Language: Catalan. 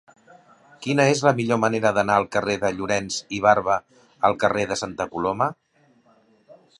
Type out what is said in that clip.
Quina és la millor manera d'anar del carrer de Llorens i Barba al carrer de Santa Coloma?